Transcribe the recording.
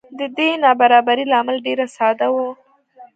د دې نابرابرۍ لامل ډېره ساده و.